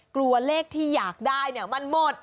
กลัวเลขที่อยากได้มันหมด